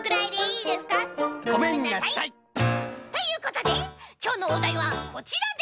ごめんなさい！ということできょうのおだいはこちらです！